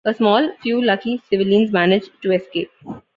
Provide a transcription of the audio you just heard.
A small few lucky civilians managed to escape.